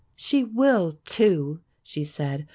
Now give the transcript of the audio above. "She will, too," she said.